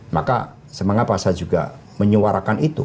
maka semangat pak saya juga menyuarakan itu